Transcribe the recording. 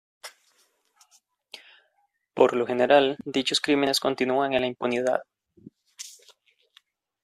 Por lo general, dichos crímenes continúan en la impunidad.